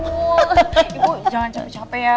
ibu jangan capek capek ya